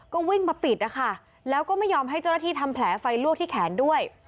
ก็วิ่งมาปิดนะคะแล้วก็ไม่ยอมให้เจ้าหน้าที่ทำแผลไฟลวกที่แขนด้วย